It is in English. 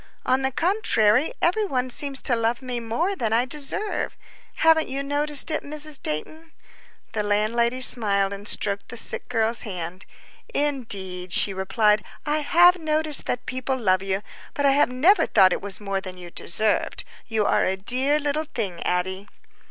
On the contrary, every one seems to love me more than I deserve. Haven't you noticed it, Mrs. Dayton?" The landlady smiled and stroked the sick girl's hand. "Indeed," she replied, "I have noticed that people love you, but I have never thought that it was more than you deserved. You are a dear little thing, Addie."